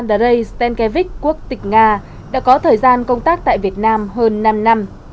ông andrei stenkevich quốc tịch nga đã có thời gian công tác tại việt nam hơn năm năm